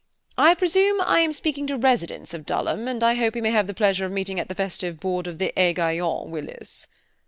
I presume I am speaking to residents of Dulham, and I hope we may have the pleasure of meeting at the festive board of the égayant Willis."